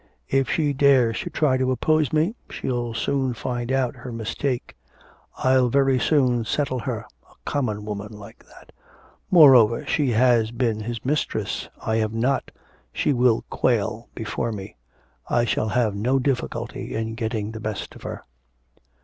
'If she dares to try to oppose me, she'll soon find out her mistake. I'll very soon settle her, a common woman like that. Moreover she has been his mistress, I have not, she will quail before me, I shall have no difficulty in getting the best of her.'